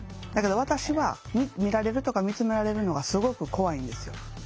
だけど私は見られるとか見つめられるのがすごく怖いんですよ。